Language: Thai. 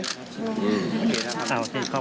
โอเคนะครับ